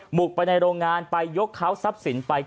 หมุกไปในโรงงานไปยกเขาซับสินไป